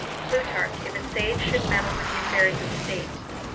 [Plutarch, If a Sage should Meddle with Affairs of Stale, c.